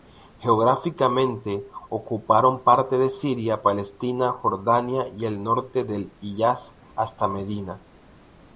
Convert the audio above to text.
Geográficamente ocuparon parte de Siria, Palestina, Jordania y el norte del Hiyaz hasta Medina.